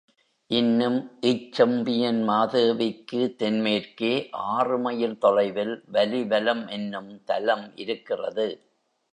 இன்னும் இச் செம்பியன்மாதேவிக்குத் தென்மேற்கே ஆறு மைல் தொலைவில் வலிவலம் என்னும் தலம் இருக்கிறது.